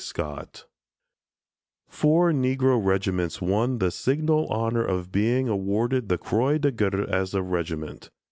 SCOTT Four Negro regiments won the signal honor of being awarded the Croix de Guerre as a regiment.